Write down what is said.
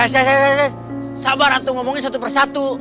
shhh sabar hantu ngomongnya satu persatu